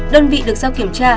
đơn vị được sau kiểm tra